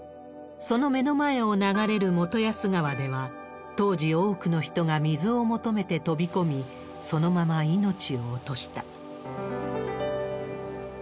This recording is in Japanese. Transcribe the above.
その目の前を流れる元安川では、当時、多くの人が水を求めて飛び込み、そのまま命を落とした。